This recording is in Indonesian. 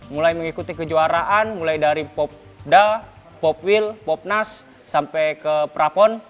mulai mengikuti kejuaraan mulai dari popda popwil popnas sampai ke prapon